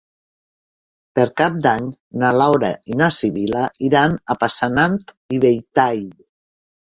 Per Cap d'Any na Laura i na Sibil·la iran a Passanant i Belltall.